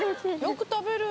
よく食べる。